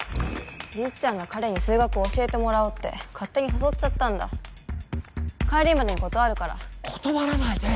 りっちゃんが彼に数学を教えてもらおうって勝手に誘っちゃったんだ帰りまでに断るから断らないで！